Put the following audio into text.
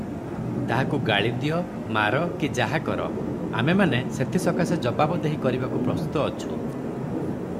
ତାହାକୁ ଗାଳିଦିଅ, ମାର କି ଯାହା କର, ଆମେମାନେ ସେଥି ସକାଶେ ଜବାବଦେହୀ କରିବାକୁ ପ୍ରସ୍ତୁତ ଅଛୁଁ ।